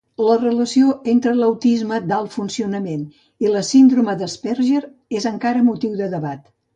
La relació entre l'autisme d'alt funcionament i la síndrome d'Asperger és encara motiu de debat.